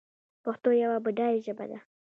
پښتو یوه بډایه ژبه ده.